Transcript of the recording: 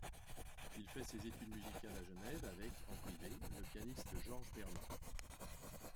Il fait ses études musicales à Genève avec, en privé, le pianiste Georges Bernand.